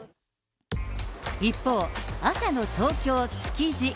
一方、朝の東京・築地。